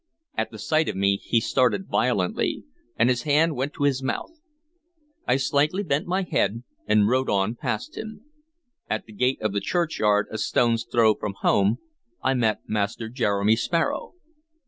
At sight of me he started violently, and his hand went to his mouth. I slightly bent my head, and rode on past him. At the gate of the churchyard, a stone's throw from home, I met Master Jeremy Sparrow.